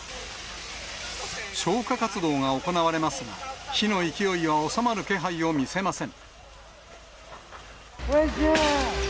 消火活動が行われますが、火の勢いは収まる気配を見せません。